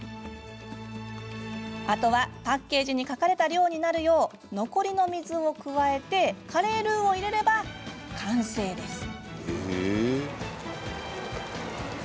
あとは、パッケージに書かれた量になるよう残りの水を加えてカレールーを入れれば完成です。